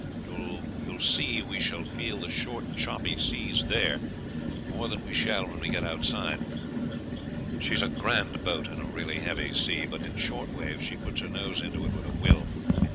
You will see we shall feel the short choppy seas there more than we shall when we get outside. She is a grand boat in a really heavy sea, but in short waves she puts her nose into it with a will.